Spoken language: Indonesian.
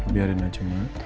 biarin aja mbak